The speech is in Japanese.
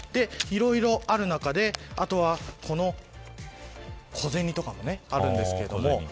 いろいろある中で、あとは小銭とかもあるんですけれども。